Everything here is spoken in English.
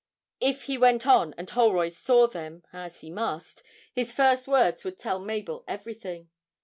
If he went on and Holroyd saw them, as he must, his first words would tell Mabel everything.